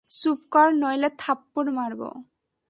চুপ কর নইলে থাপ্পর মারব!